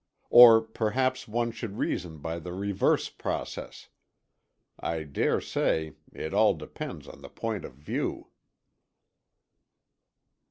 Or perhaps one should reason by the reverse process. I daresay it all depends on the point of view.